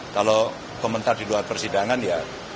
kalau komentar di luar persidangan ya